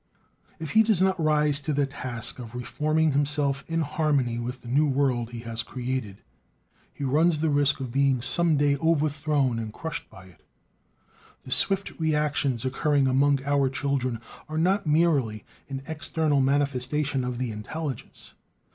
If he does not rise to the task of reforming himself in harmony with the new world he has created, he runs the risk of being some day overthrown and crushed by it. The swift reactions occurring among our children are not merely an external manifestation of the intelligence.